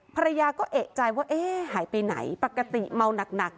ภรรยาก็เอกใจว่าเอ๊ะหายไปไหนปกติเมาหนัก